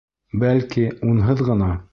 Бәлки, унһыҙ ғына...